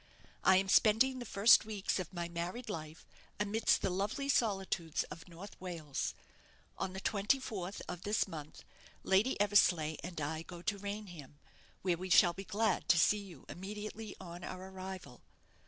I am spending the first weeks of my married life amidst the lovely solitudes of North Wales. On the 24th of this month, Lady Eversleigh and I go to Raynham, where we shall be glad to see you immediately on our arrival.